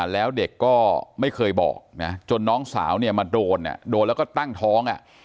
แล้วเด็กก็ไม่เคยบอกนะจนน้องสาวเนี่ยมาโดนโดนแล้วก็ตั้งท้อง